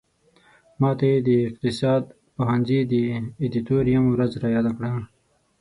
ماته یې د اقتصاد پوهنځي د ادیتوریم ورځ را یاده کړه.